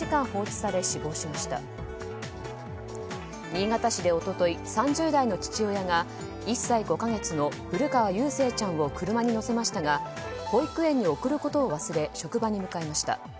新潟市で、一昨日３０代の父親が１歳５か月の古川祐誠ちゃんを車に乗せましたが保育園に送ることを忘れ職場に向かいました。